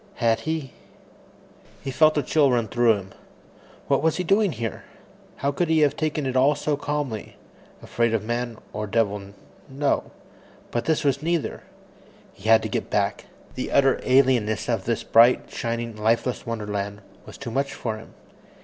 Had he He felt a chill run through him. What was he doing here? How could he have taken it all so calmly. Afraid of man or devil, no but this was neither. He had to get back. The utter alienness of this bright, shining, lifeless wonderland was too much for him.